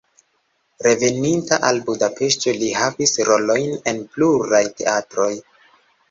Reveninta al Budapeŝto li havis rolojn en pluraj teatroj.